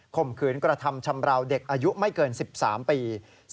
ข่มขืนกระทำชำราวเด็กอายุไม่เกิน๑๓ปี